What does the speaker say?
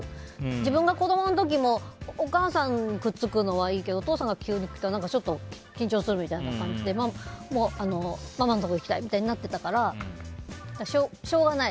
自分が子供の時もお母さんにくっつくのはいいけどお父さんが急に来たら緊張するみたいな感じでもう、ママのとこ行きたいみたいになってたからしょうがない。